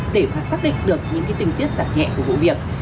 để mà xác định được những cái tình tiết giả nhẹ của vụ việc